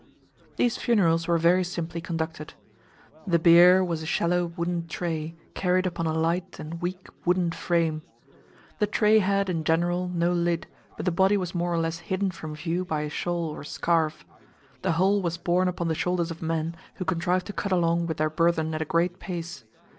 These funerals were very simply conducted. The bier was a shallow wooden tray, carried upon a light and weak wooden frame. The tray had, in general, no lid, but the body was more or less hidden from view by a shawl or scarf. The whole was borne upon the shoulders of men, who contrived to cut along with their burthen at a great pace.